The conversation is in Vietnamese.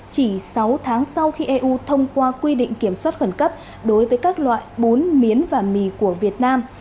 chỉ sáu tháng sau khi eu thông qua quy định kiểm soát khẩn cấp đối với các loại bún miến và mì của việt nam